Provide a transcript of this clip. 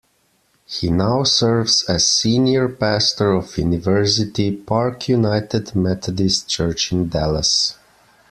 He now serves as Senior Pastor of University Park United Methodist Church in Dallas.